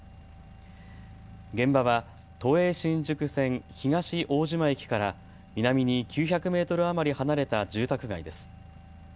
現場は都営新宿線東大島駅から南に９００メートル余り離れた住宅街です。